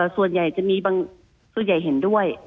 ส่วนใหญ่จะมีบางส่วนใหญ่เห็นด้วย